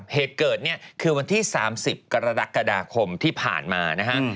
เหตุเกิดเนี่ยคือวันที่๓๐กรกฎาคมที่ผ่านมานะฮะ